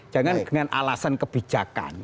jangan dengan alasan kebijakan